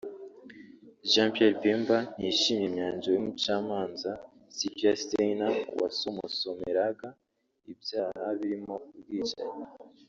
Jean Pierre Bemba ntiyishimiye imyanzuro y’umucamanza Sylvia Steiner wasomusomeraga ibyaha birimo ubwicanyi